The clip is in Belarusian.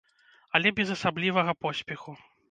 Але без асаблівага поспеху.